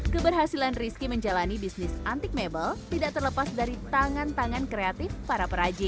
keberhasilan rizky menjalani bisnis antik mebel tidak terlepas dari tangan tangan kreatif para perajin